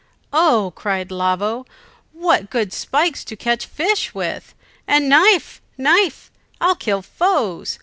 "Oh!" cried Lavo, "what good spikes to catch fish with! and knife knife I'll kill foes!